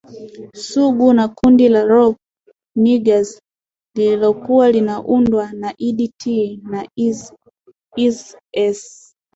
Sugu na Kundi la Rough Niggaz lililokuwa linaundwa na Eddy T and Easy S